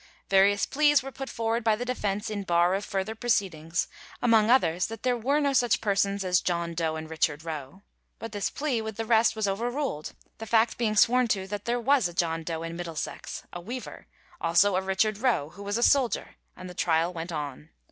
Various pleas were put forward by the defence in bar of further proceedings, among others that there were no such persons as John Doe and Richard Roe, but this plea, with the rest, was overruled, the fact being sworn to that there was a John Doe in Middlesex, a weaver, also a Richard Roe, who was a soldier, and the trial went on.